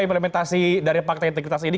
implementasi dari pakta integritas ini